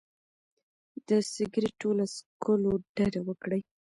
د سګرټو له څکولو ډډه وکړئ.